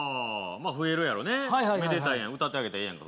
まあ増えるやろねめでたいやん歌ってあげたらええやんか